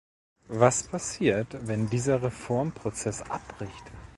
Was passiert, wenn dieser Reformprozess abbricht?